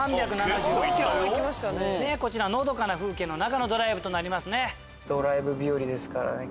こちらのどかな風景の中のドライブとなりますね。